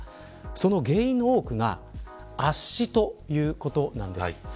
その原因の多くが圧死ということです。